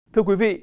thưa quý vị